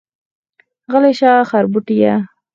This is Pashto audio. غلی شه خربوټيه.